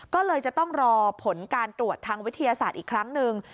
ก็เลยจะต้องรอผลการตรวจทางวิทยาศาสตร์อีกครั้งหนึ่ง